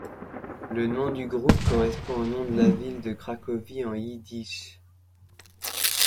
Le nom du groupe correspond au nom de la ville de Cracovie en yiddish.